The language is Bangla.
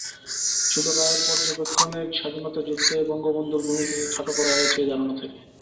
শুধু রায়ের পর্যবেক্ষণে স্বাধীনতাযুদ্ধে বঙ্গবন্ধুর ভূমিকাকে খাটো করা হয়েছে এই ধারণা থেকে?